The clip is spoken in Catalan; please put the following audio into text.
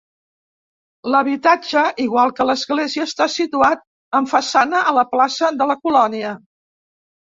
L'habitatge, igual que l'església, està situat amb façana a la plaça de la colònia.